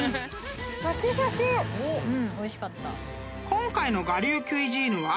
［今回の我流キュイジーヌは］